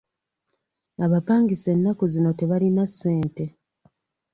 Abapangisa ennaku zino tebalina ssente.